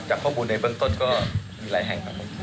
ข้อมูลในเบื้องต้นก็มีหลายแห่งครับผม